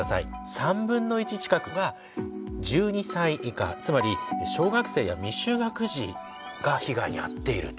３分の１近くが１２歳以下つまり小学生や未就学児が被害に遭っていると。